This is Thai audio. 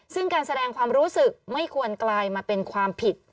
ซึ่งการแสดงความรู้สึกไม่ควรกลายมาเป็นความผิด